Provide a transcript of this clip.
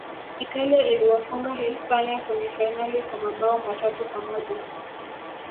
italia iliwafunga hispania kwenye fainali kwa mabao matatu kwa moja